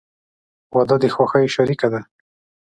• واده د خوښیو شریکه ده.